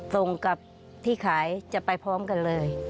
ตรงกับที่ขายจะไปพร้อมกันเลย